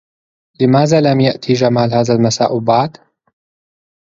لماذا لم يأتِ جمال هذا المساء بعد؟